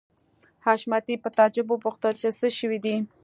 حشمتي په تعجب وپوښتل چې څه شوي دي